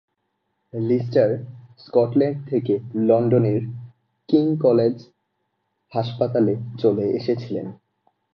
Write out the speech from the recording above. Lister Scotland থেকে লন্ডনের King college হাসপাতালে চলে এসেছিলেন।